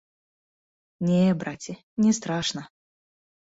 Не, браце, не страшна.